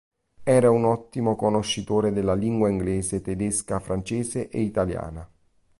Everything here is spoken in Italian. Era un ottimo conoscitore della letteratura inglese, tedesca, francese e italiana.